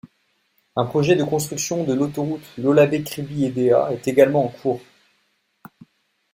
Un projet de construction de l’Autoroute Lolabé-Kribi-Edéa est également en cours.